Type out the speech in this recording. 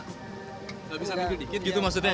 gak bisa mencuri dikit gitu maksudnya